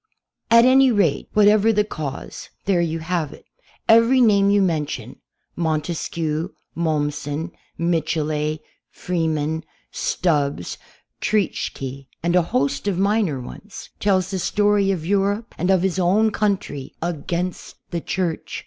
At any rate, whatever the cause, there you have it. Every name you mention — Montesquieu, Mommsen. Michelet, Freeman, Stubbs, Treitschke, and a host of minor ones — tells the story of Europe and of his own country against the Church.